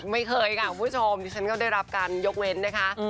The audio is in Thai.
ไม่เคยค่ะคุณผู้ชมดิฉันก็ได้รับการยกเว้นนะคะ